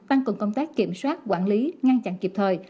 tăng cường công tác kiểm soát quản lý ngăn chặn kịp thời